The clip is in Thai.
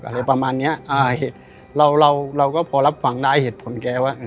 อะไรประมาณเนี้ยอ่าเราเราเราก็พอรับฟังได้เหตุผลแกว่า